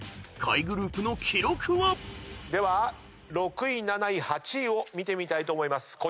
［下位グループの記録は？］では６位７位８位を見てみたいと思います。